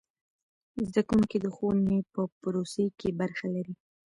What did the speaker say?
زده کوونکي د ښوونې په پروسې کې برخه لري.